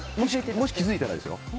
もし気づいたらですよ。